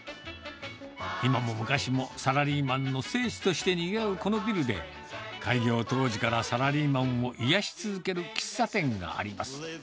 今も昔もサラリーマンの聖地としてにぎわうこのビルで、開業当時からサラリーマンを癒やし続ける喫茶店があります。